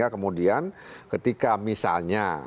kemudian ketika misalnya